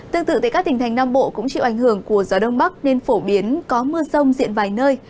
tương tự tại các tỉnh thành nam bộ cũng chịu ảnh hưởng của gió đông bắc nên phổ biến có mưa rông diện vài nơi